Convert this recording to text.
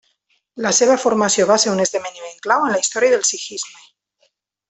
La seva formació va ser un esdeveniment clau en la història del sikhisme.